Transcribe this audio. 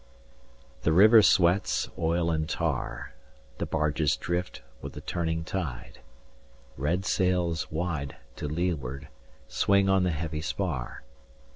265 The river sweats Oil and tar The barges drift With the turning tide Red sails 270 Wide To leeward, swing on the heavy spar.